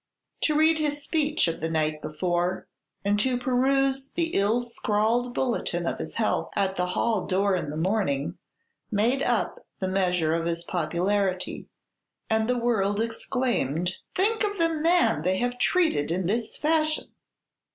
To read his speech of the night before, and to peruse the ill scrawled bulletin of his health at the hall door in the morning, made up the measure of his popularity, and the world exclaimed, "Think of the man they have treated in this fashion!"